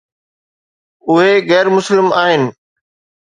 اهي غير مسلم آهن.